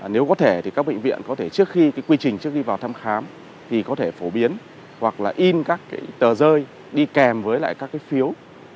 nếu có thể thì các bệnh viện có thể trước khi quy trình trước khi vào thăm khám thì có thể phổ biến hoặc là in các tờ rơi đi kèm với lại các cái phiếu